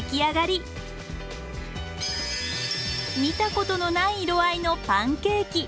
見たことのない色合いのパンケーキ。